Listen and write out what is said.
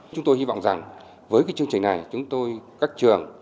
chúng tôi hy vọng rằng với chương trình này chúng tôi các trường